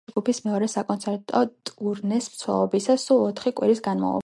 ალბომი ჩაიწერა ჯგუფის მეორე საკონცერტო ტურნეს მსვლელობისას, სულ ოთხი კვირის განმავლობაში.